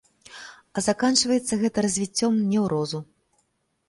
А заканчваецца гэта развіццём неўрозу.